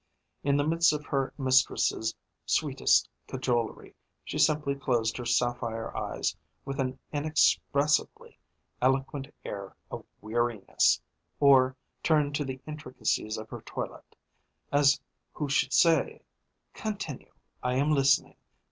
In the midst of her mistress's sweetest cajolery, she simply closed her sapphire eyes, with an inexpressibly eloquent air of weariness, or turned to the intricacies of her toilet, as who should say: "Continue. I am listening.